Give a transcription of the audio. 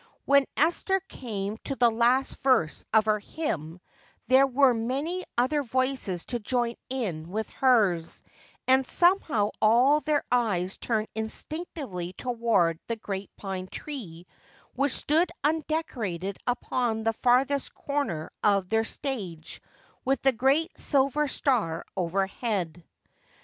When Esther came to the last verse of her hymn, there were many other voices to join in with hers, and somehow all their eyes turned instinctively toward the great pine tree which stood undecorated upon the farthest corner of their stage with the great silver star overhead.